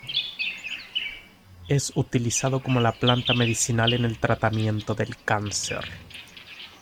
Es utilizado como planta medicinal en el tratamiento del cáncer.